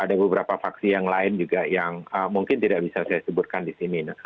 ada beberapa faksi yang lain juga yang mungkin tidak bisa saya sebutkan di sini